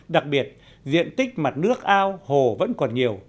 đặc biệt diện tích mặt nước ao hồ vẫn còn nhiều